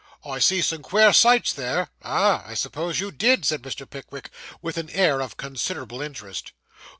I see some queer sights there.' Ah, I suppose you did,' said Mr. Pickwick, with an air of considerable interest.